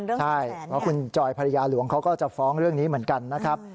ใช่เพราะคุณจอยภรรยาหลวงเขาก็จะฟ้องเรื่องนี้เหมือนกันนะครับ